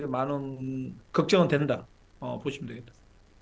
bapak sudah menentukan banyak tim afrika